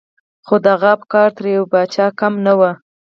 خو د هغه افکار تر يوه پاچا کم نه وو.